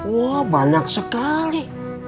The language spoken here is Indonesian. wah banyak sekali